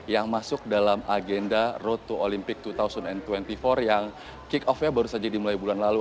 yang masuk dalam agenda road to olympic dua ribu dua puluh empat yang kick off nya baru saja dimulai bulan lalu